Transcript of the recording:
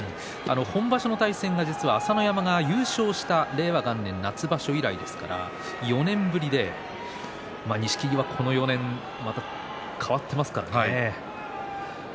本場所の対戦は朝乃山が優勝した令和元年夏場所以来ですから４年ぶりで錦木はこの４年、また変わっていますからね。